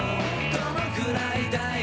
「どのくらいだい？